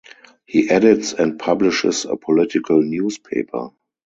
He edits and publishes a political newspaper.